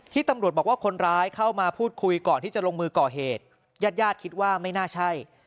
ตำรวจบอกว่าคนร้ายเข้ามาพูดคุยก่อนที่จะลงมือก่อเหตุญาติญาติคิดว่าไม่น่าใช่